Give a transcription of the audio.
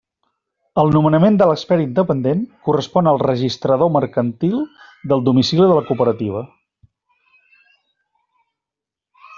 El nomenament de l'expert independent correspon al registrador mercantil del domicili de la cooperativa.